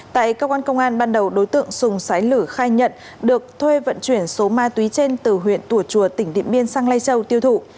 tại cơ quan công an ban đầu đối tượng sùng sái lử khai nhận được thuê vận chuyển số ma túy trên từ huyện tùa chùa tỉnh điện biên sang lây châu tiêu thụ